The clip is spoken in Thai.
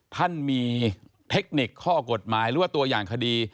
ท่านมีเทคนิคข้อกฎหมายหรือว่าตัวอย่างคดี